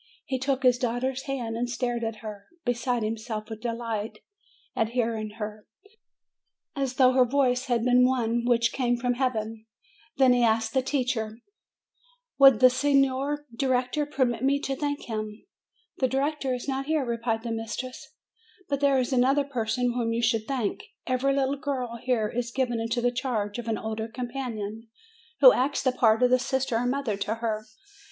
He took his daughter's hands, and stared at her, beside him self with delight at hearing her, as though her voice had been one which came from Heaven ; then he asked the teacher, "Would the Signer Director permit me to thank him?" "The director is not here," replied the mistress; THE DEAF MUTE 307 "but there is another person whom you should thank. Every little girl here is given into the charge of an older companion, who acts the part of sister or mother to her.